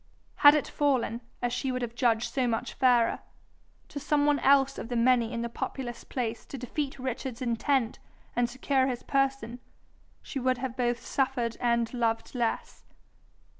Had it fallen, as she would have judged so much fairer, to some one else of the many in the populous place to defeat Richard's intent and secure his person, she would have both suffered and loved less.